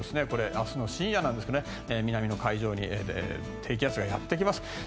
これ、明日の深夜なんですが南の海上に低気圧がやってきます。